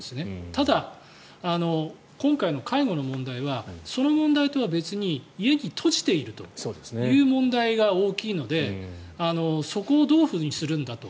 ただ、今回の介護の問題はその問題とは別に家に閉じているという問題が大きいのでそこをどういうふうにするんだと。